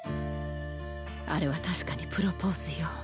あれは確かにプロポーズよ